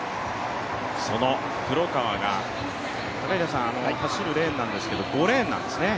その黒川が走るレーンは５レーンなんですね。